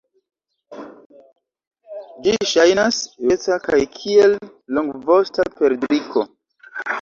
Ĝi ŝajnas ruĝeca kaj kiel longvosta perdriko.